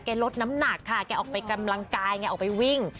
ลดน้ำหนักค่ะแกออกไปกำลังกายไงออกไปวิ่ง